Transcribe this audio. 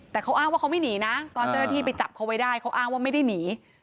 แต่เขาอ้างว่าเขาไม่หนีนะตอนเจ้าหน้าที่ไปจับเขาไว้ได้เขาอ้างว่าไม่ได้หนี